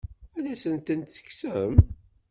Ad asent-tent-tekksem?